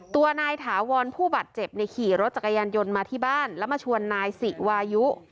ตัวนายถาวรผู้บาดเจ็บเนี่ยขี่รถจักรยานยนต์มาที่บ้านแล้วมาชวนนายสิวายุ